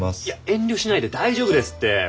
いや遠慮しないで大丈夫ですって。